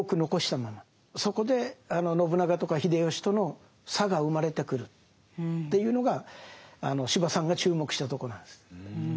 そこであの信長とか秀吉との差が生まれてくるっていうのが司馬さんが注目したとこなんです。